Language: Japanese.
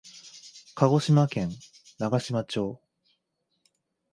鹿児島県長島町